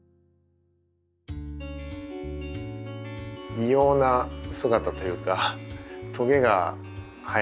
異様な姿というかトゲが生えてて。